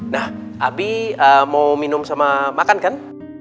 nah abi mau minum sama makan kan